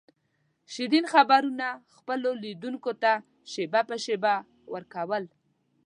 شیرین خبرونه خپلو لیدونکو ته شېبه په شېبه ور کول.